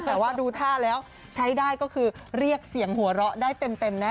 แต่ว่าดูท่าแล้วใช้ได้ก็คือเรียกเสียงหัวเราะได้เต็มแน่